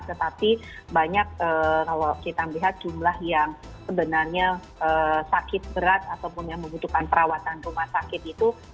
jadi banyak kalau kita melihat jumlah yang sebenarnya sakit berat ataupun yang membutuhkan perawatan rumah sakit itu